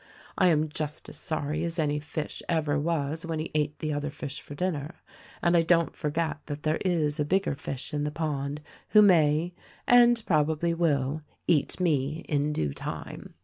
I am just as sorry as any fish ever was when he ate the other fish for dinner, and I don't forget that there is a bigger fish in the pond who may — and probably will — eat me, in due time.